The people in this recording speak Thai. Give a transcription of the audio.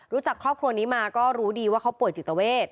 รู้จักครอบครัวนี้มาก็รู้ดีว่าเขาป่วยจิตเวท